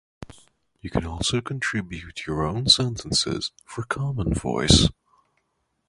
You can also contribute own sentenes for "Common Voice".